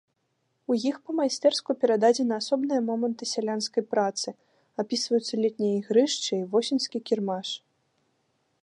У іх па-майстэрску перададзены асобныя моманты сялянскай працы, апісваюцца летнія ігрышчы і восеньскі кірмаш.